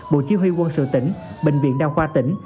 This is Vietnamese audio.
bộ chỉ huy quân sự tỉnh bệnh viện đa khoa tỉnh